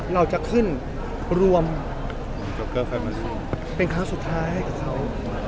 เราจะขึ้นรวมเป็นคราวสุดท้ายให้เขา